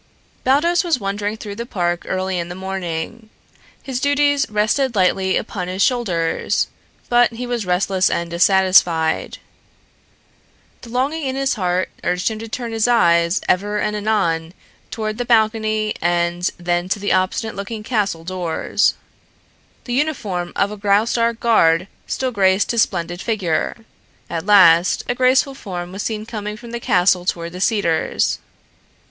Baldos was wandering through the park early in the morning. His duties rested lightly upon his shoulders, but he was restless and dissatisfied. The longing in his heart urged him to turn his eyes ever and anon toward the balcony and then to the obstinate looking castle doors. The uniform of a Graustark guard still graced his splendid figure. At last a graceful form was seen coming from the castle toward the cedars.